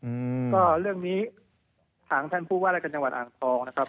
อืมก็เรื่องนี้ทางท่านผู้ว่ารายการจังหวัดอ่างทองนะครับ